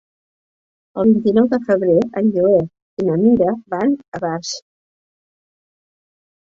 El vint-i-nou de febrer en Joel i na Mira van a Barx.